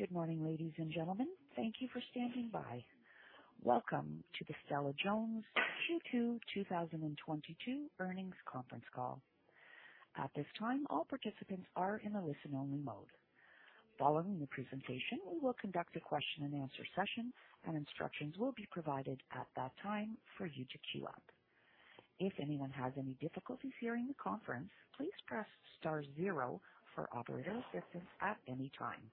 Good morning, ladies and gentlemen. Thank you for standing by. Welcome to the Stella-Jones Q2 2022 earnings conference call. At this time, all participants are in a listen-only mode. Following the presentation, we will conduct a question-and-answer session, and instructions will be provided at that time for you to queue up. If anyone has any difficulties hearing the conference, please press star zero for operator assistance at any time.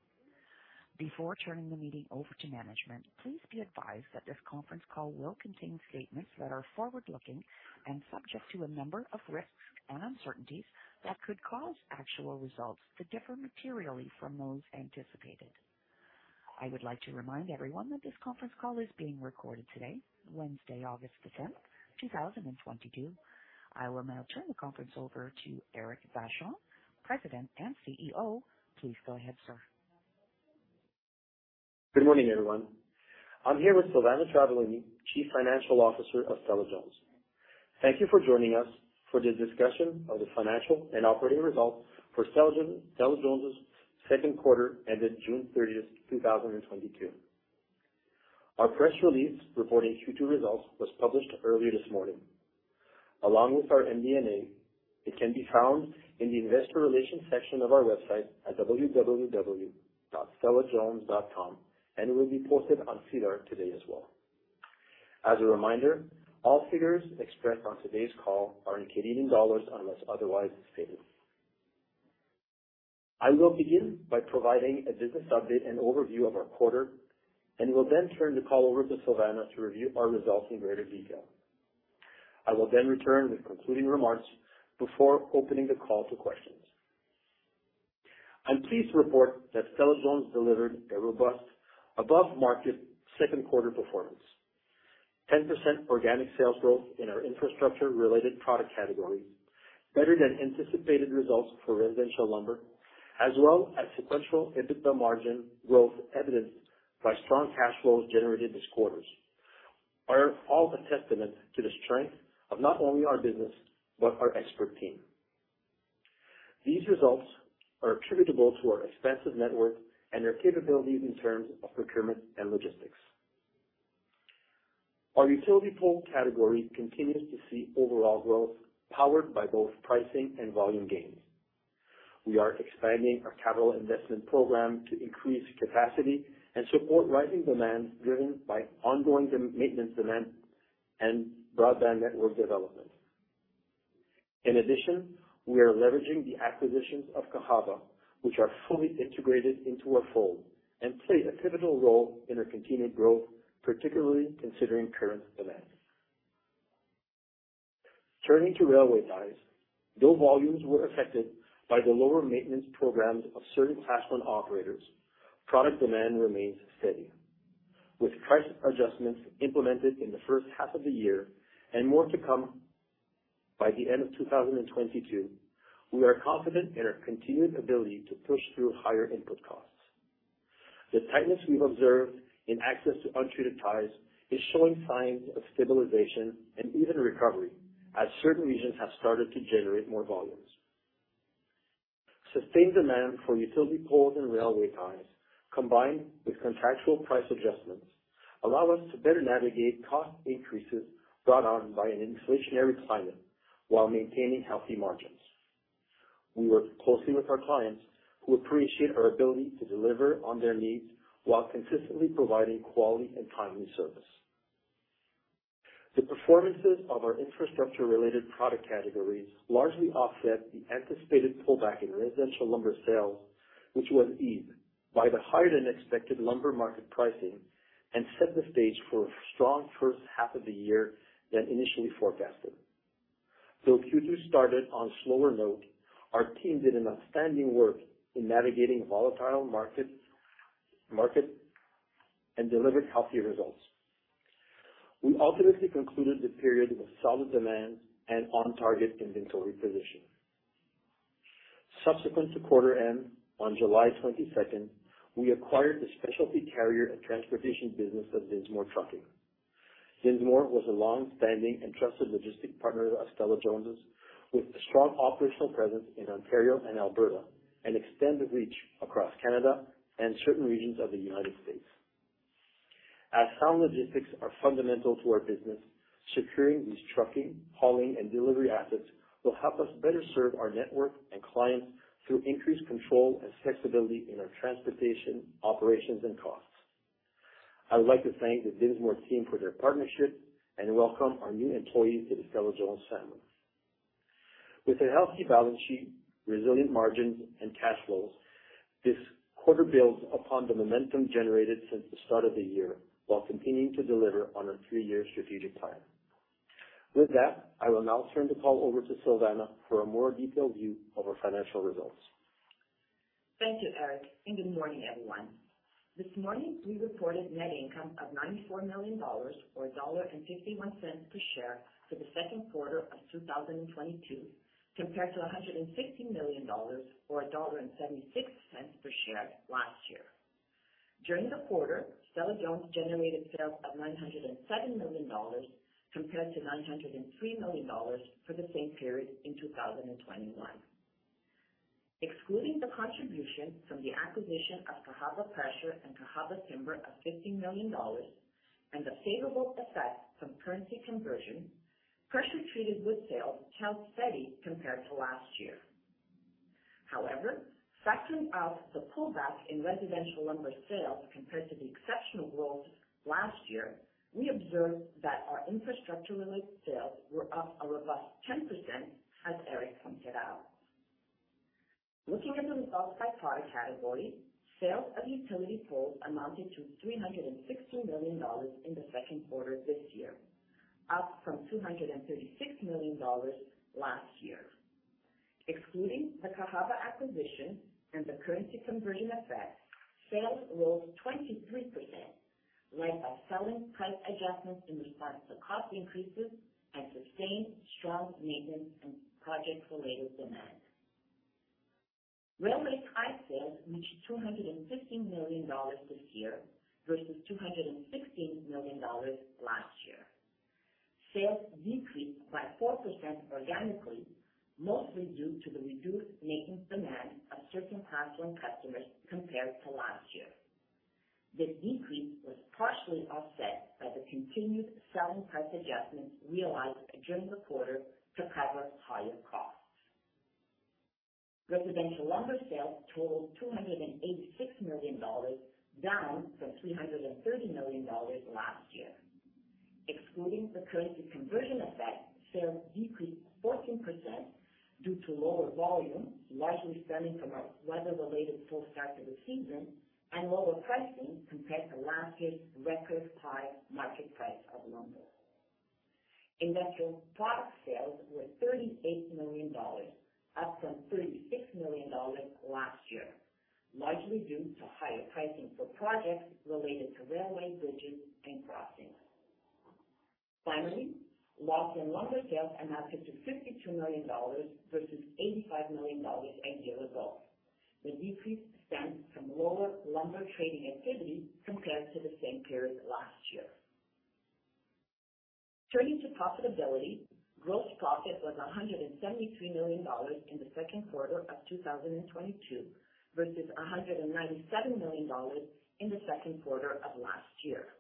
Before turning the meeting over to management, please be advised that this conference call will contain statements that are forward-looking and subject to a number of risks and uncertainties that could cause actual results to differ materially from those anticipated. I would like to remind everyone that this conference call is being recorded today, Wednesday, August tenth, two thousand and twenty-two. I will now turn the conference over to Eric Vachon, President and CEO. Please go ahead, sir. Good morning, everyone. I'm here with Silvana Travaglini, Chief Financial Officer of Stella-Jones. Thank you for joining us for the discussion of the financial and operating results for Stella-Jones, Stella-Jones' second quarter ended June thirtieth, two thousand and twenty-two. Our press release reporting Q2 results was published earlier this morning. Along with our MD&A, it can be found in the investor relations section of our website at www.stellajones.com, and it will be posted on SEDAR today as well. As a reminder, all figures expressed on today's call are in Canadian dollars unless otherwise stated. I will begin by providing a business update and overview of our quarter and will then turn the call over to Silvana to review our results in greater detail. I will then return with concluding remarks before opening the call to questions. I'm pleased to report that Stella-Jones delivered a robust above-market second quarter performance. 10% organic sales growth in our infrastructure-related product categories, better than anticipated results for residential lumber, as well as sequential EBITDA margin growth evidenced by strong cash flows generated this quarter's are all a testament to the strength of not only our business but our expert team. These results are attributable to our expansive network and their capabilities in terms of procurement and logistics. Our utility pole category continues to see overall growth, powered by both pricing and volume gains. We are expanding our capital investment program to increase capacity and support rising demand driven by ongoing deferred maintenance demand and broadband network development. In addition, we are leveraging the acquisitions of Cahaba, which are fully integrated into our fold and play a pivotal role in our continued growth, particularly considering current events. Turning to railway ties, though volumes were affected by the lower maintenance programs of certain Class I operators, product demand remains steady. With price adjustments implemented in the first half of the year and more to come by the end of 2022, we are confident in our continued ability to push through higher input costs. The tightness we've observed in access to untreated ties is showing signs of stabilization and even recovery as certain regions have started to generate more volumes. Sustained demand for utility poles and railway ties, combined with contractual price adjustments, allow us to better navigate cost increases brought on by an inflationary climate while maintaining healthy margins. We work closely with our clients, who appreciate our ability to deliver on their needs while consistently providing quality and timely service. The performances of our infrastructure-related product categories largely offset the anticipated pullback in residential lumber sales, which was eased by the higher-than-expected lumber market pricing and set the stage for a strong first half of the year than initially forecasted. Though Q2 started on a slower note, our team did an outstanding work in navigating a volatile market and delivered healthy results. We ultimately concluded the period with solid demand and on-target inventory position. Subsequent to quarter end, on July twenty-second, we acquired the specialty carrier and transportation business of Dinsmore Trucking. Dinsmore was a longstanding and trusted logistics partner of Stella-Jones' with a strong operational presence in Ontario and Alberta and extended reach across Canada and certain regions of the United States. As sound logistics are fundamental to our business, securing these trucking, hauling, and delivery assets will help us better serve our network and clients through increased control and flexibility in our transportation, operations, and costs. I would like to thank the Dinsmore team for their partnership and welcome our new employees to the Stella-Jones family. With a healthy balance sheet, resilient margins, and cash flows, this quarter builds upon the momentum generated since the start of the year while continuing to deliver on our three-year strategic plan. With that, I will now turn the call over to Silvana for a more detailed view of our financial results. Thank you, Eric, and good morning, everyone. This morning, we reported net income of 94 million dollars, or 1.51 dollar per share for the second quarter of 2022, compared to 160 million dollars or 1.76 dollar per share last year. During the quarter, Stella-Jones generated sales of 907 million dollars compared to 903 million dollars for the same period in 2021. Excluding the contribution from the acquisition of Cahaba Pressure and Cahaba Timber of 15 million dollars and the favorable effect from currency conversion, pressure-treated wood sales held steady compared to last year. However, factoring out the pullback in residential lumber sales compared to the exceptional growth last year, we observed that our infrastructure-related sales were up a robust 10%, as Eric pointed out. Looking at the results by product category, sales of utility poles amounted to 360 million dollars in the second quarter this year, up from 236 million dollars last year. Excluding the Cahaba acquisition and the currency conversion effect, sales rose 23% led by selling price adjustments in response to cost increases and sustained strong maintenance and project-related demand. Railway tie sales reached 250 million dollars this year versus 216 million dollars last year. Sales decreased by 4% organically, mostly due to the reduced maintenance demand of certain Class I customers compared to last year. This decrease was partially offset by the continued selling price adjustments realized during the quarter to cover higher costs. Residential lumber sales totaled 286 million dollars, down from 330 million dollars last year. Excluding the currency conversion effect, sales decreased 14% due to lower volume, largely stemming from a weather-related slow start to the season and lower pricing compared to last year's record high market price of lumber. Industrial product sales were 38 million dollars, up from 36 million dollars last year, largely due to higher pricing for projects related to railway bridges and crossings. Finally, log and lumber sales amounted to 52 million dollars versus 85 million dollars last year. The decrease stems from lower lumber trading activity compared to the same period last year. Turning to profitability, gross profit was 173 million dollars in the second quarter of 2022 versus 197 million dollars in the second quarter of last year.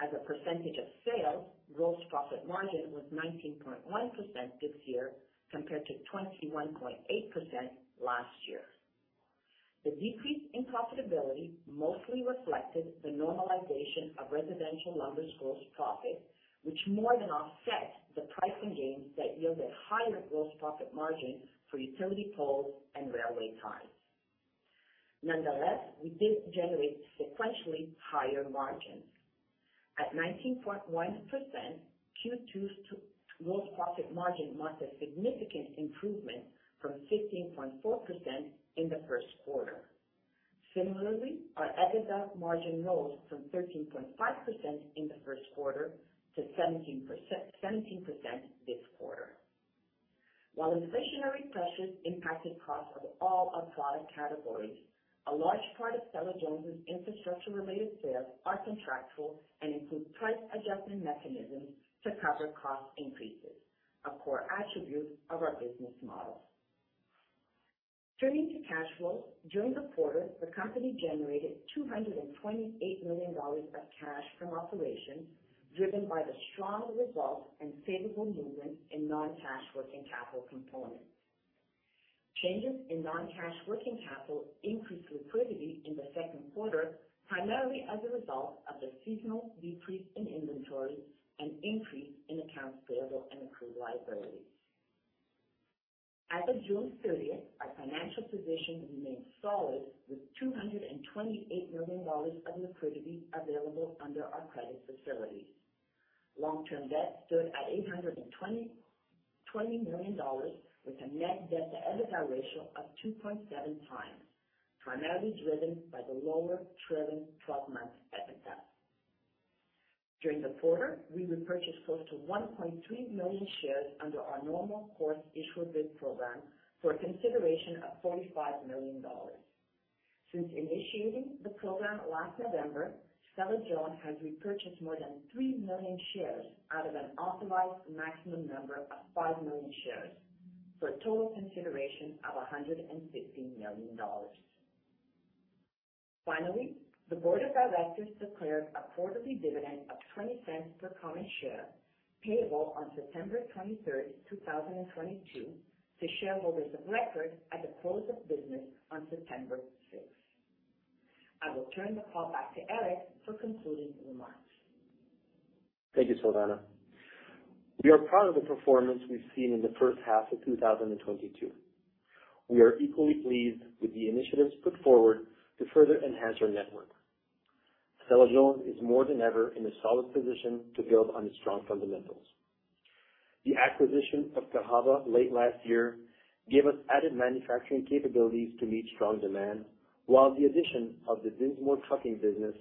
As a percentage of sales, gross profit margin was 19.1% this year compared to 21.8% last year. The decrease in profitability mostly reflected the normalization of residential lumber's gross profit, which more than offset the pricing gains that yielded higher gross profit margin for utility poles and railway ties. Nonetheless, we did generate sequentially higher margins. At 19.1%, Q2's gross profit margin marked a significant improvement from 15.4% in the first quarter. Similarly, our EBITDA margin rose from 13.5% in the first quarter to 17% this quarter. While inflationary pressures impacted costs of all our product categories, a large part of Stella-Jones's infrastructure-related sales are contractual and include price adjustment mechanisms to cover cost increases, a core attribute of our business model. Turning to cash flow, during the quarter, the company generated 228 million dollars of cash from operations, driven by the strong results and favorable movement in non-cash working capital components. Changes in non-cash working capital increased liquidity in the second quarter, primarily as a result of the seasonal decrease in inventory and increase in accounts payable and accrued liabilities. As of June 30, our financial position remains solid with 228 million dollars of liquidity available under our credit facilities. Long-term debt stood at 820 million dollars, with a net debt-to-EBITDA ratio of 2.7 times, primarily driven by the lower trailing twelve-month EBITDA. During the quarter, we repurchased close to 1.3 million shares under our normal course issuer bid program for a consideration of 45 million dollars. Since initiating the program last November, Stella-Jones has repurchased more than 3 million shares out of an authorized maximum number of 5 million shares for a total consideration of 160 million dollars. Finally, the board of directors declared a quarterly dividend of 0.20 per common share, payable on September 23, 2022 to shareholders of record at the close of business on September 6. I will turn the call back to Eric for concluding remarks. Thank you, Silvana. We are proud of the performance we've seen in the first half of 2022. We are equally pleased with the initiatives put forward to further enhance our network. Stella-Jones is more than ever in a solid position to build on its strong fundamentals. The acquisition of Cahaba late last year gave us added manufacturing capabilities to meet strong demand, while the addition of the Dinsmore Trucking business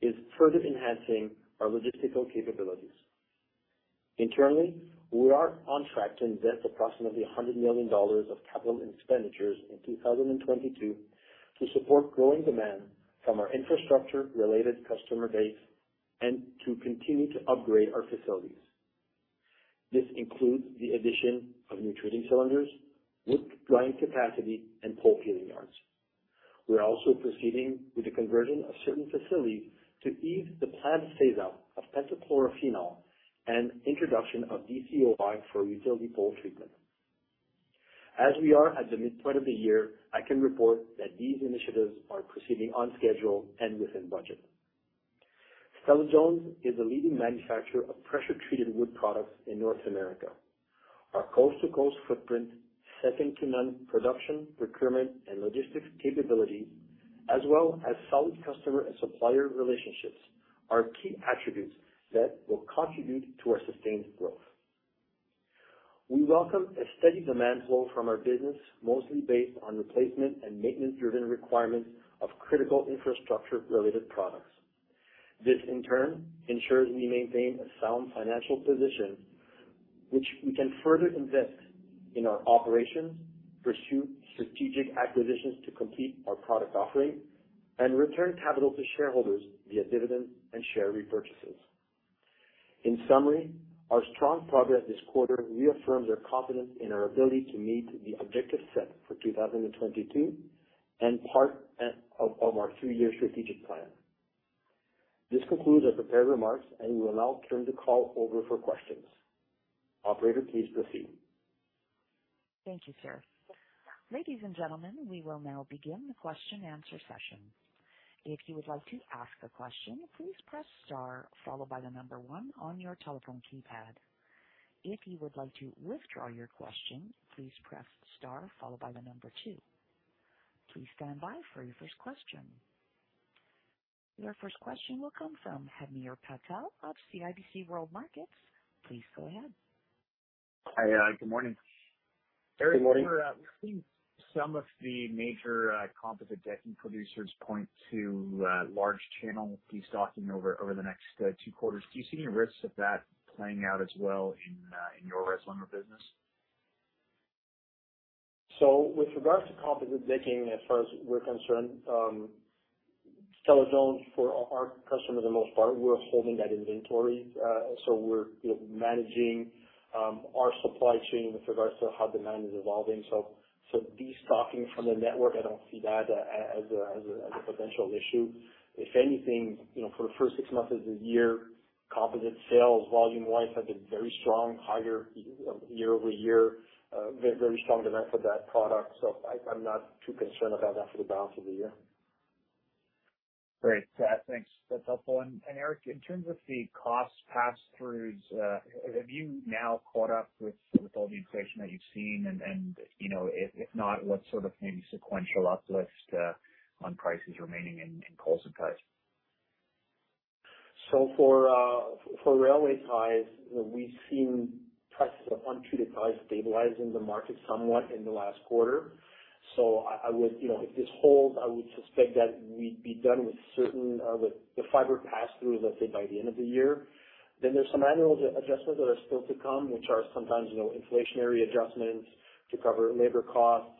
is further enhancing our logistical capabilities. Internally, we are on track to invest approximately 100 million dollars of capital expenditures in 2022 to support growing demand from our infrastructure related customer base and to continue to upgrade our facilities. This includes the addition of new treating cylinders, wood drying capacity, and pole peeling yards. We are also proceeding with the conversion of certain facilities to ease the planned phase-out of pentachlorophenol and introduction of DCOI for utility pole treatment. As we are at the midpoint of the year, I can report that these initiatives are proceeding on schedule and within budget. Stella-Jones is a leading manufacturer of pressure-treated wood products in North America. Our coast-to-coast footprint, second-to-none production, procurement and logistics capability, as well as solid customer and supplier relationships are key attributes that will contribute to our sustained growth. We welcome a steady demand flow from our business, mostly based on replacement and maintenance-driven requirements of critical infrastructure-related products. This in turn ensures we maintain a sound financial position which we can further invest in our operations, pursue strategic acquisitions to complete our product offering, and return capital to shareholders via dividends and share repurchases. In summary, our strong progress this quarter reaffirms our confidence in our ability to meet the objectives set for 2022 and part of our three-year strategic plan. This concludes our prepared remarks, and we will now turn the call over for questions. Operator, please proceed. Thank you, sir. Ladies and gentlemen, we will now begin the question answer session. If you would like to ask a question, please press star followed by the number one on your telephone keypad. If you would like to withdraw your question, please press star followed by the number two. Please stand by for your first question. Your first question will come from Hamir Patel of CIBC World Markets. Please go ahead. Hi, good morning. Good morning. Eric, we've seen some of the major composite decking producers point to large channel destocking over the next two quarters. Do you see any risks of that playing out as well in your res lumber business? With regards to composite decking, as far as we're concerned, Stella-Jones, for our customer, the most part, we're holding that inventory. We're, you know, managing our supply chain with regards to how demand is evolving. Destocking from the network, I don't see that as a potential issue. If anything, you know, for the first six months of the year, composite sales volume wise has been very strong, higher year over year, very strong demand for that product. I'm not too concerned about that for the balance of the year. Great. Thanks. That's helpful. Eric, in terms of the cost pass-throughs, have you now caught up with all the inflation that you've seen? You know, if not, what sort of maybe sequential uplift on price is remaining in poles and ties? For railway ties, we've seen prices of untreated ties stabilize in the market somewhat in the last quarter. I would, you know, if this holds, I would suspect that we'd be done with certain with the fiber pass through, let's say by the end of the year, then there's some annual adjustments that are still to come, which are sometimes, you know, inflationary adjustments to cover labor costs.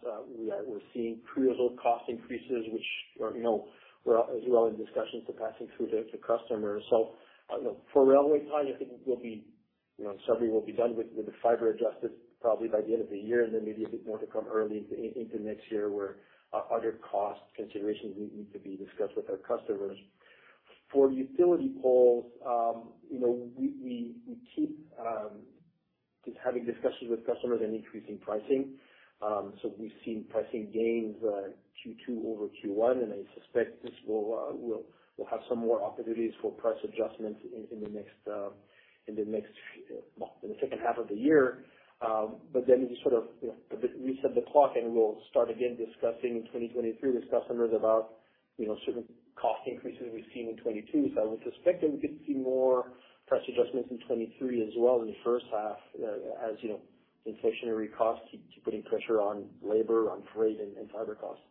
We're seeing pre-result cost increases, which are, you know, we're all in discussions to passing through the customer. You know, for railway ties, I think we'll be, you know, certainly we'll be done with the fiber adjusted probably by the end of the year and then maybe a bit more to come early into next year where other cost considerations we need to be discussed with our customers. For utility poles, you know, we keep just having discussions with customers and increasing pricing. We've seen pricing gains, Q2 over Q1, and I suspect this will have some more opportunities for price adjustments in the next few, well, in the second half of the year. You sort of, you know, reset the clock and we'll start again discussing in 2023 with customers about, you know, certain cost increases we've seen in 2022. I would suspect that we could see more price adjustments in 2023 as well in the first half, as you know, inflationary costs keep putting pressure on labor, on freight and fiber costs.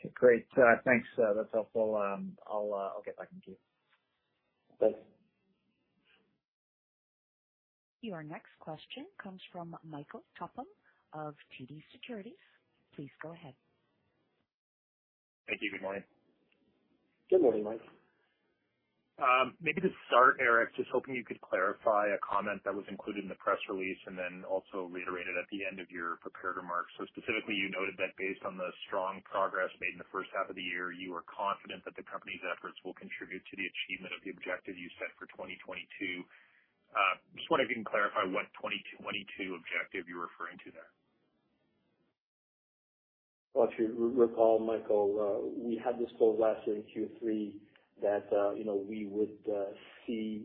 Okay, great. Thanks. That's helpful. I'll get back in queue. Thanks. Your next question comes from Michael Tupholme of TD Securities. Please go ahead. Thank you. Good morning. Good morning, Mike. Maybe to start, Eric, just hoping you could clarify a comment that was included in the press release and then also reiterated at the end of your prepared remarks. Specifically, you noted that based on the strong progress made in the first half of the year, you are confident that the company's efforts will contribute to the achievement of the objective you set for 2022. Just wonder if you can clarify what 2022 objective you're referring to there. Well, if you recall, Michael, we had disclosed last year in Q3 that, you know, we would see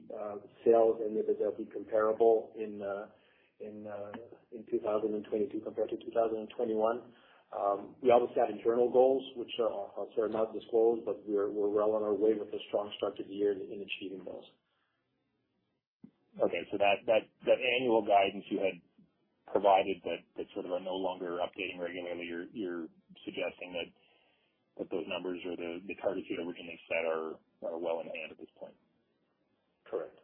sales individually comparable in 2022 compared to 2021. We obviously have internal goals which are sort of not disclosed, but we're well on our way with a strong start to the year in achieving those. Okay. That annual guidance you had provided that you're no longer updating regularly, you're suggesting that but those numbers or the targets you'd originally set are well in hand at this point. Correct.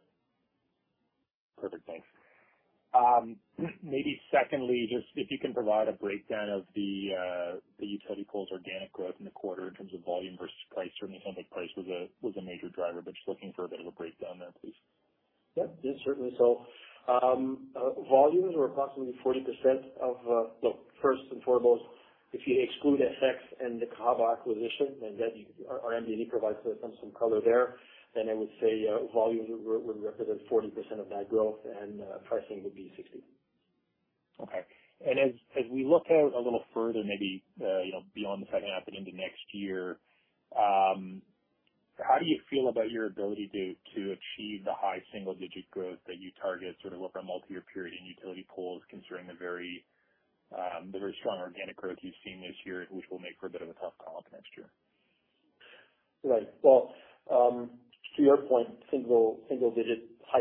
Perfect. Thanks. Maybe secondly, just if you can provide a breakdown of the utility poles organic growth in the quarter in terms of volume versus price. Certainly it sounds like price was a major driver, but just looking for a bit of a breakdown there, please. Yep. Yes, certainly so. Volumes were approximately 40% of. Well, first and foremost, if you exclude FX and the Cahaba acquisition, and then our MD&A provides some color there, then I would say, volumes would represent 40% of that growth and pricing would be 60%. Okay. As we look out a little further, maybe, you know, beyond the second half and into next year, how do you feel about your ability to achieve the high single digit growth that you target sort of over a multi-year period in utility poles considering the very strong organic growth you've seen this year, which will make for a bit of a tough comp next year? Right. Well, to your point, high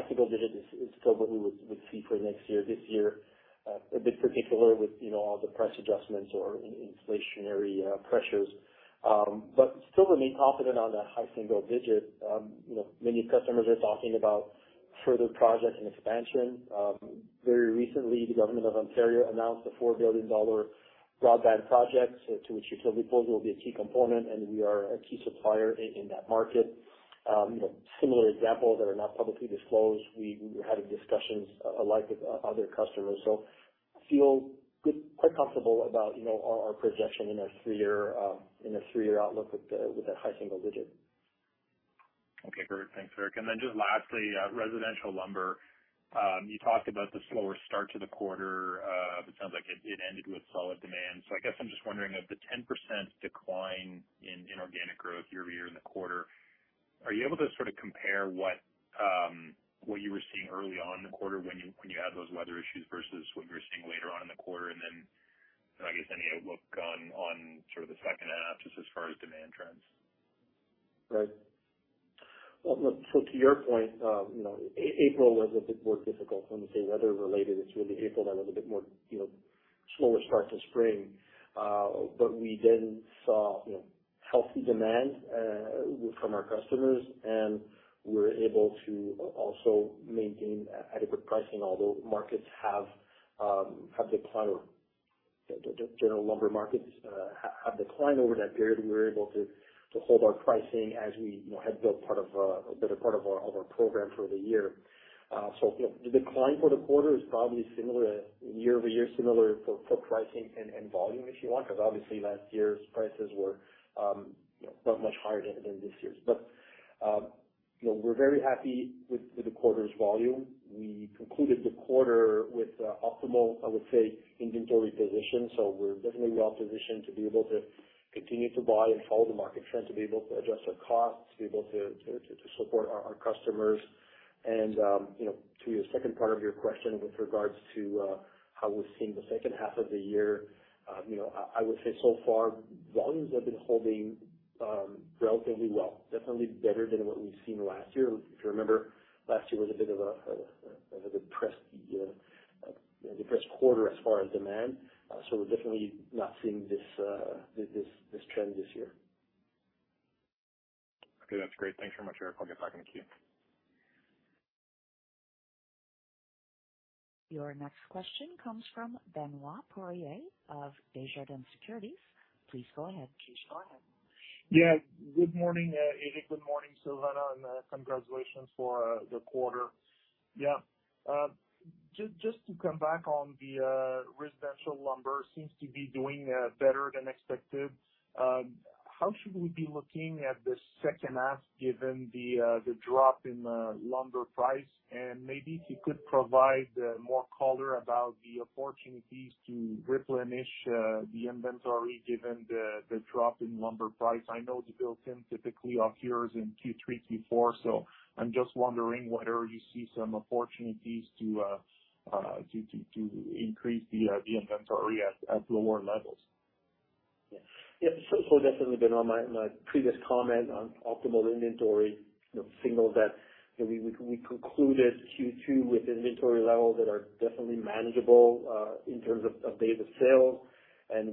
single-digit is still what we'd see for next year. This year, a bit particular with, you know, all the price adjustments or inflationary pressures. But still remain confident on the high single-digit. You know, many customers are talking about further projects and expansion. Very recently, the Government of Ontario announced a 4 billion dollar broadband project to which utility poles will be a key component, and we are a key supplier in that market. You know, similar examples that are not publicly disclosed, we're having discussions alike with other customers. Feel good, quite comfortable about, you know, our projection in a three-year outlook with that high single-digit. Okay. Great. Thanks, Eric. Just lastly, residential lumber. You talked about the slower start to the quarter. It sounds like it ended with solid demand. I guess I'm just wondering, of the 10% decline in organic growth year-over-year in the quarter, are you able to sort of compare what you were seeing early on in the quarter when you had those weather issues versus what you were seeing later on in the quarter? You know, I guess any outlook on sort of the second half just as far as demand trends. Right. Well, look to your point, you know, April was a bit more difficult. When we say weather-related, it's really April had a little bit more, you know, slower start to spring. We then saw, you know, healthy demand from our customers and were able to also maintain adequate pricing, although markets have declined or general lumber markets have declined over that period. We were able to hold our pricing as we, you know, had built a better part of our program for the year. You know, the decline for the quarter is probably similar year-over-year, similar for pricing and volume if you want, because obviously last year's prices were, you know, not much higher than this year's. You know, we're very happy with the quarter's volume. We concluded the quarter with optimal, I would say, inventory position. We're definitely well positioned to be able to continue to buy and follow the market trend, to be able to adjust our costs, to be able to support our customers. You know, to your second part of your question with regards to how we're seeing the second half of the year, you know, I would say so far volumes have been holding relatively well, definitely better than what we've seen last year. If you remember, last year was a bit depressed year, a depressed quarter as far as demand. We're definitely not seeing this trend this year. Okay. That's great. Thanks so much, Eric. I'll get back in queue. Your next question comes from Benoit Poirier of Desjardins Securities. Please go ahead. Yeah. Good morning, Eric. Good morning, Silvana, and congratulations for the quarter. Yeah. Just to come back on the residential lumber seems to be doing better than expected. How should we be looking at the second half given the drop in the lumber price? Maybe if you could provide more color about the opportunities to replenish the inventory given the drop in lumber price. I know the build-in typically occurs in Q3, Q4. I'm just wondering whether you see some opportunities to increase the inventory at lower levels. Yeah. Definitely, Benoit, my previous comment on optimal inventory, you know, signaled that, you know, we concluded Q2 with inventory levels that are definitely manageable, in terms of days of sales.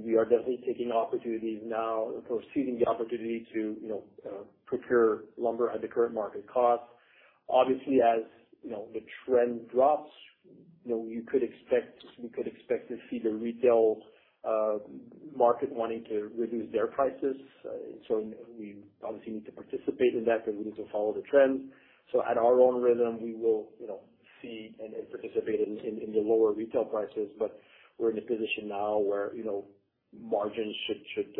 We are definitely taking opportunities now, of course seizing the opportunity to, you know, procure lumber at the current market cost. Obviously, as you know, the trend drops, you know, you could expect, we could expect to see the retail market wanting to reduce their prices. We obviously need to participate in that. We need to follow the trend. At our own rhythm we will, you know, see and participate in the lower retail prices. We're in a position now where, you know, margins should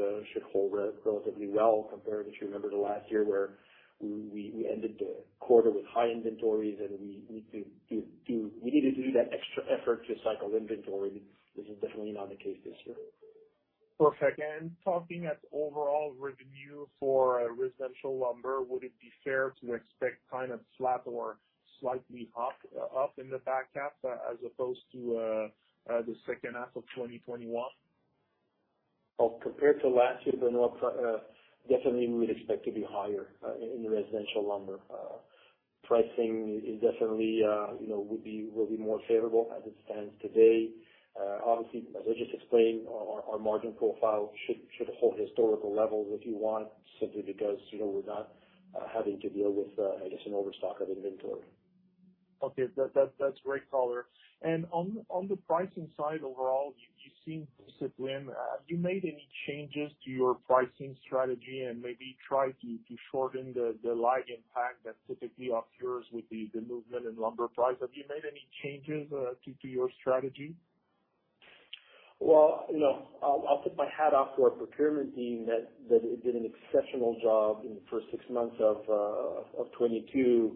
hold relatively well compared, if you remember, to last year where we ended the quarter with high inventories. We needed to do that extra effort to cycle inventory, which is definitely not the case this year. Perfect. Talking about overall revenue for residential lumber, would it be fair to expect kind of flat or slightly up in the back half as opposed to the second half of 2021? Well, compared to last year, Benoit, definitely we'd expect to be higher in residential lumber. Pricing is definitely, you know, would be, will be more favorable as it stands today. Obviously, as I just explained, our margin profile should hold historical levels if you want, simply because, you know, we're not having to deal with, I guess, an overstock of inventory. Okay. That's great color. On the pricing side overall, you seem disciplined. Have you made any changes to your pricing strategy and maybe tried to shorten the lag impact that typically occurs with the movement in lumber price? Have you made any changes to your strategy? You know, I'll tip my hat off to our procurement team that did an exceptional job in the first six months of 2022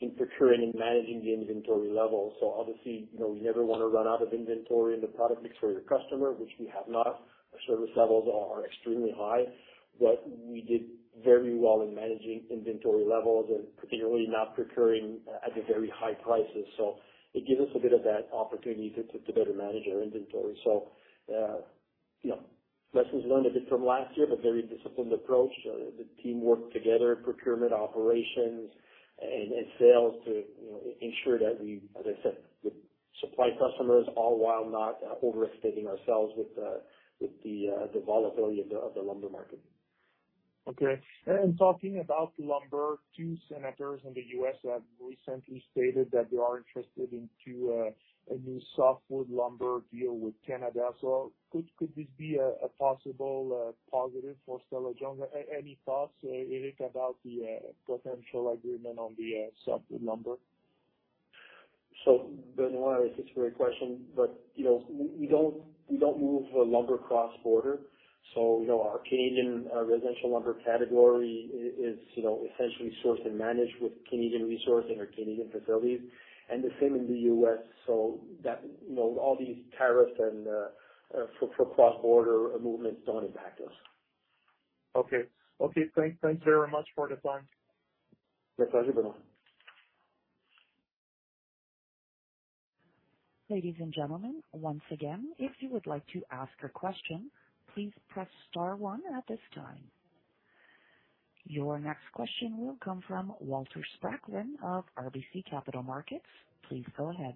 in procuring and managing the inventory levels. Obviously, you know, we never wanna run out of inventory and the product mix for your customer, which we have not. Our service levels are extremely high. But we did very well in managing inventory levels and particularly not procuring at the very high prices. It gives us a bit of that opportunity to better manage our inventory. You know, lessons learned a bit from last year, but very disciplined approach. The team worked together, procurement, operations and sales to, you know, ensure that we, as I said, we supply customers all while not overextending ourselves with the volatility of the lumber market. Okay. Talking about lumber, two senators in the U.S. have recently stated that they are interested in a new softwood lumber deal with Canada. Could this be a possible positive for Stella-Jones? Any thoughts, Eric, about the potential agreement on the softwood lumber? Benoit, thanks for your question. You know, we don't move lumber cross-border. You know, our Canadian residential lumber category is, you know, essentially sourced and managed with Canadian resource in our Canadian facilities and the same in the U.S. You know, all these tariffs and for cross-border movements don't impact us. Okay, thanks very much for the time. Yes, pleasure, Benoit. Ladies and gentlemen, once again, if you would like to ask a question, please press star one at this time. Your next question will come from Walter Spracklin of RBC Capital Markets. Please go ahead.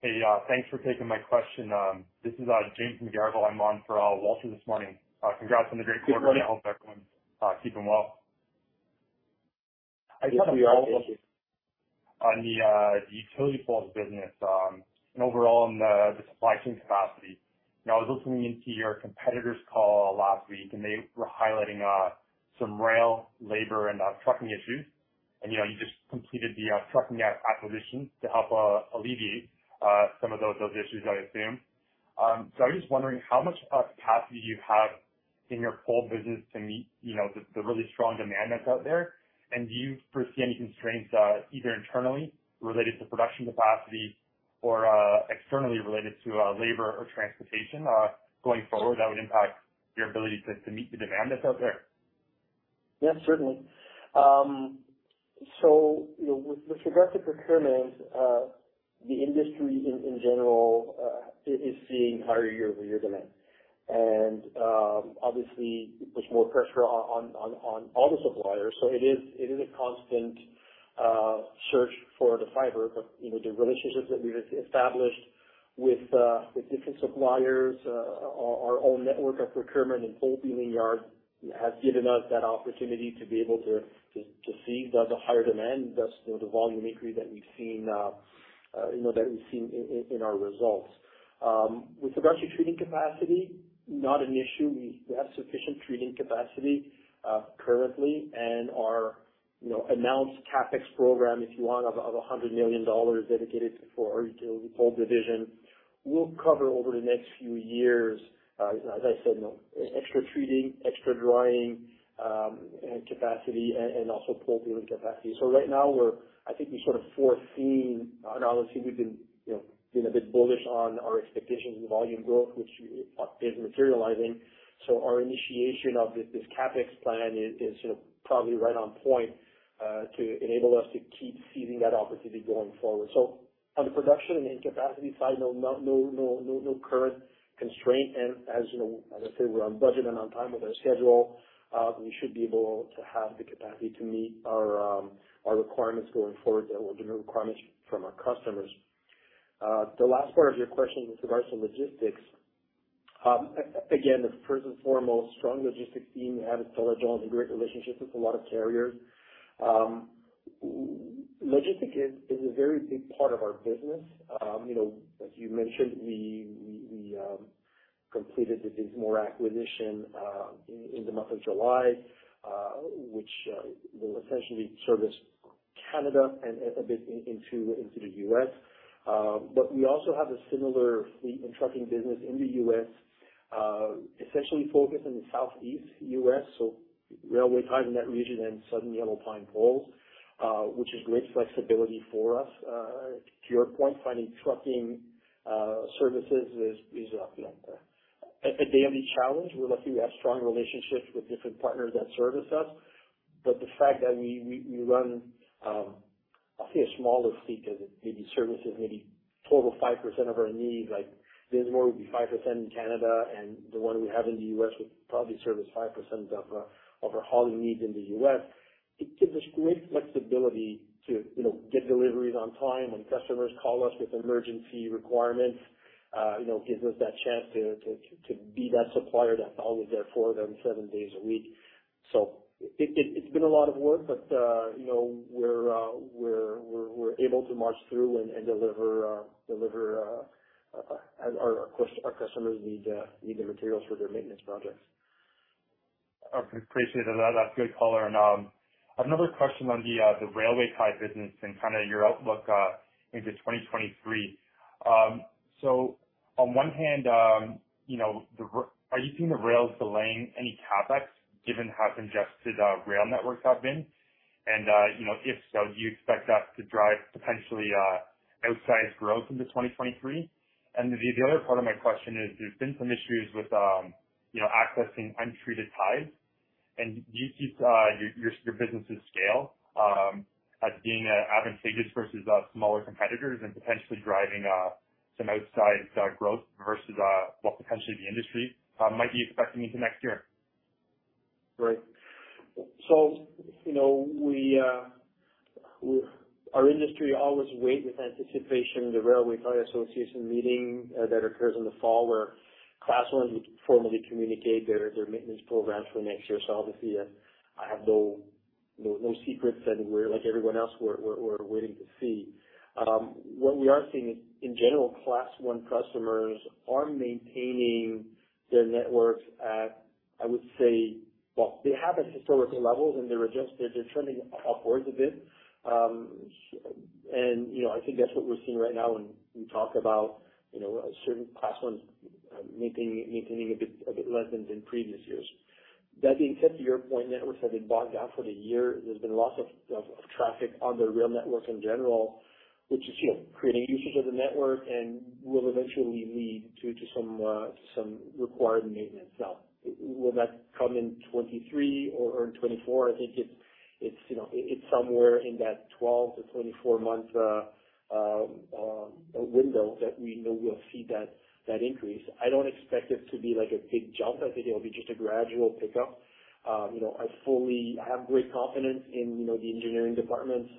Hey, thanks for taking my question. This is James McGarragle. I'm on for Walter this morning. Congrats on the great quarter. Good morning. I hope everyone's keeping well. Yes, we are. Thank you. On the utility poles business and overall on the supply chain capacity. You know, I was listening in to your competitor's call last week, and they were highlighting some rail labor and trucking issues. You know, you just completed the trucking acquisition to help alleviate some of those issues, I assume. I'm just wondering how much capacity you have in your pole business to meet the really strong demand that's out there. Do you foresee any constraints either internally related to production capacity or externally related to labor or transportation going forward that would impact your ability to meet the demand that's out there? Yeah, certainly. You know, with regard to procurement, the industry in general is seeing higher year-over-year demand. Obviously it puts more pressure on all the suppliers. It is a constant search for the fiber. You know, the relationships that we've established with different suppliers, our own network of procurement and pole peeling yards has given us that opportunity to be able to seize the higher demand, thus the volume increase that we've seen in our results. With regards to treating capacity, not an issue. We have sufficient treating capacity currently and our, you know, announced CapEx program, if you want, of 100 million dollars dedicated for our utility pole division will cover over the next few years, as I said, you know, extra treating, extra drying, and capacity and also pole peeling capacity. Right now we're. I think we sort of foreseen. Obviously we've been, you know, a bit bullish on our expectations of volume growth, which is materializing. Our initiation of this CapEx plan is sort of probably right on point, to enable us to keep seizing that opportunity going forward. On the production and capacity side, no current constraint. As you know, as I said, we're on budget and on time with our schedule. We should be able to have the capacity to meet our requirements going forward that will generate requirements from our customers. The last part of your question with regards to logistics, again, first and foremost, strong logistics team we have at Stella-Jones and great relationships with a lot of carriers. Logistics is a very big part of our business. You know, as you mentioned, we completed the Dinsmore acquisition in the month of July, which will essentially service Canada and a bit into the U.S. We also have a similar fleet and trucking business in the U.S., essentially focused in the Southeast U.S., so railway ties in that region and Southern Yellow Pine poles, which is great flexibility for us. To your point, finding trucking services is, you know, a daily challenge. We're lucky we have strong relationships with different partners that service us. The fact that we run, I'll say a smaller fleet because it maybe services maybe total 5% of our needs. Like, this one would be 5% in Canada, and the one we have in the U.S. would probably service 5% of our hauling needs in the U.S. It gives us great flexibility to, you know, get deliveries on time when customers call us with emergency requirements. You know, gives us that chance to be that supplier that's always there for them seven days a week. It's been a lot of work, but you know, we're able to march through and deliver as our customers need the materials for their maintenance projects. Okay. Appreciate it. That's good color. Another question on the railway tie business and kinda your outlook into 2023. So on one hand, you know, are you seeing the rails delaying any CapEx given how congested rail networks have been? You know, if so, do you expect that to drive potentially outsized growth into 2023? The other part of my question is there's been some issues with you know, accessing untreated ties. Do you see your business' scale as being advantageous versus smaller competitors and potentially driving some outsized growth versus what potentially the industry might be expecting into next year? Right. Our industry always wait with anticipation the Railway Tie Association meeting that occurs in the fall, where Class I's formally communicate their maintenance programs for next year. Obviously, I have no secrets anywhere. Like everyone else, we're waiting to see. What we are seeing in general, Class I customers are maintaining their networks at, I would say, well, they're at historical levels, and they're trending upwards a bit. You know, I think that's what we're seeing right now when we talk about, you know, certain Class I's maintaining a bit less than in previous years. That being said, to your point, networks have been bogged down for the year. There's been lots of traffic on the rail network in general, which is, you know, creating usage of the network and will eventually lead to some required maintenance. Now, will that come in 2023 or in 2024? I think it's, you know, it's somewhere in that 12-24-month window that we know we'll see that increase. I don't expect it to be like a big jump. I think it'll be just a gradual pickup. You know, I fully have great confidence in, you know, the engineering departments,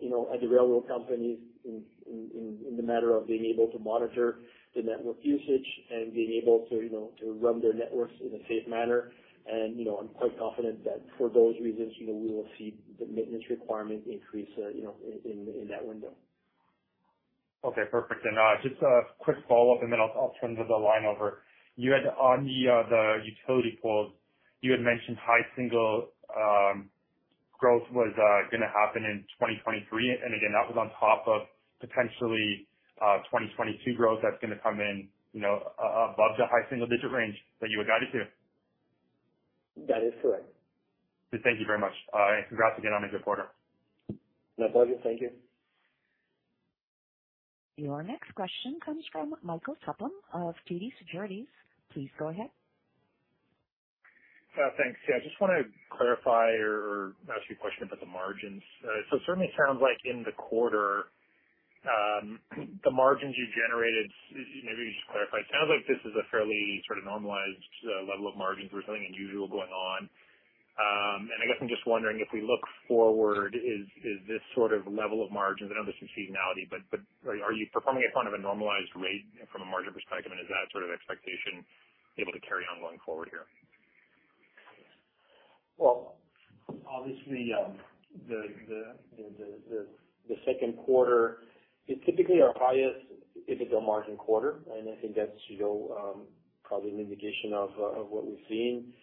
you know, at the railroad companies in the matter of being able to monitor the network usage and being able to, you know, to run their networks in a safe manner. You know, I'm quite confident that for those reasons, you know, we will see the maintenance requirement increase, you know, in that window. Okay, perfect. Just a quick follow-up, and then I'll turn the line over. You had on the utility poles you had mentioned high single-digit growth was gonna happen in 2023. That was on top of potentially 2022 growth that's gonna come in, you know, above the high single-digit range that you had guided to. That is correct. Good. Thank you very much. Congrats again on a good quarter. My pleasure. Thank you. Your next question comes from Michael Tupholme of TD Securities. Please go ahead. Thanks. Yeah, I just wanna clarify or ask you a question about the margins. So it certainly sounds like in the quarter, the margins you generated. Maybe you just clarify. It sounds like this is a fairly sort of normalized level of margins or something unusual going on. I guess I'm just wondering, if we look forward, is this sort of level of margins, I know there's seasonality, but are you performing at kind of a normalized rate from a margin perspective, and is that sort of expectation able to carry on going forward here? Well, obviously, the second quarter is typically our highest EBITDA margin quarter, and I think that's, you know, probably an indication of what we've seen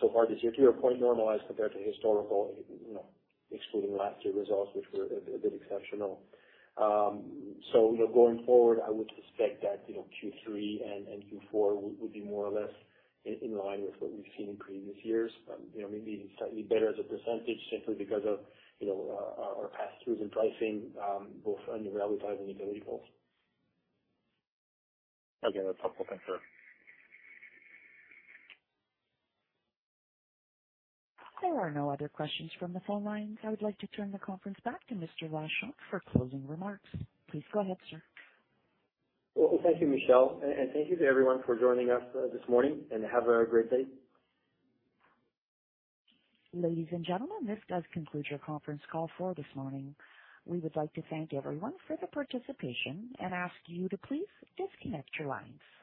so far this year. To your point, normalized compared to historical, you know, excluding last year results, which were a bit exceptional. You know, going forward, I would suspect that, you know, Q3 and Q4 would be more or less in line with what we've seen in previous years. You know, maybe slightly better as a percentage simply because of, you know, our pass-throughs in pricing, both on the railway side and the utility poles. Okay. That's helpful. Thanks, sir. There are no other questions from the phone lines. I would like to turn the conference back to Eric Vachon for closing remarks. Please go ahead, sir. Well, thank you, Michelle, and thank you to everyone for joining us this morning, and have a great day. Ladies and gentlemen, this does conclude your conference call for this morning. We would like to thank everyone for the participation and ask you to please disconnect your lines.